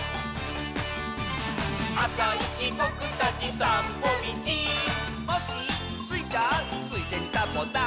「あさいちぼくたちさんぽみち」「コッシースイちゃん」「ついでにサボさん」